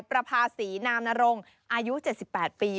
ประภาษีนามนรงอายุ๗๘ปี